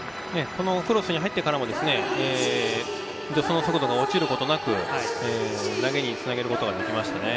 クロスに入ってからも助走の速度が落ちることなくつなげることができましたね。